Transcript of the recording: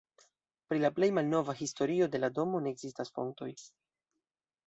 Pri la plej malnova historio de la domo ne ekzistas fontoj.